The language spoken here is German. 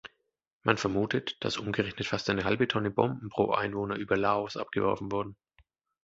Man vermutet, dass umgerechnet fast eine halbe Tonne Bomben pro Einwohner über Laos abgeworfen wurden.